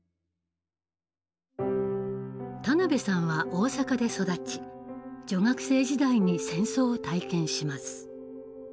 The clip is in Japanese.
田辺さんは大阪で育ち女学生時代に戦争を体験します。